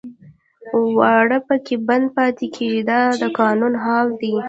واړه پکې بند پاتې کېږي دا د قانون حال دی.